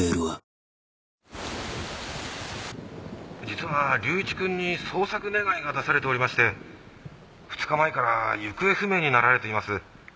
☎実は竜一君に捜索願いが出されておりまして２日前から行方不明になられています。